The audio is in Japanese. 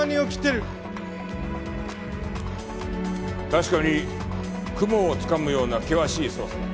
確かに雲をつかむような険しい捜査だ。